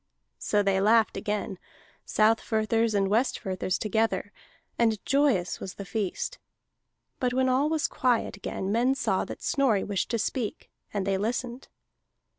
So they laughed again, Southfirthers and Westfirthers together, and joyous was the feast. But when all was quiet again, men saw that Snorri wished to speak, and they listened.